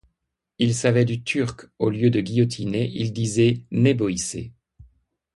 Il savait du turc ; au lieu de guillotiné il disait néboïssé.